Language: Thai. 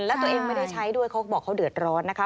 แล้วตัวเองไม่ได้ใช้ด้วยเขาก็บอกเขาเดือดร้อนนะคะ